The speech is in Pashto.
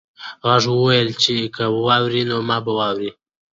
غږ وویل چې که واوړې نو ما به واورې.